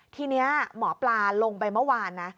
ทีนี้หมอปลาลงไปเมื่อวานนะ